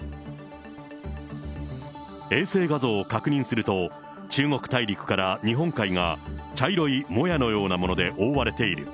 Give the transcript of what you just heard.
衛星画像を確認すると、中国大陸から日本海が茶色いもやのようなもので覆われている。